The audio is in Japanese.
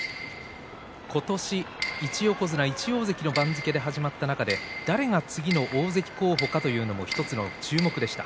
今年、１横綱１大関の番付で始まった中で誰が次の大関候補かなと注目でした。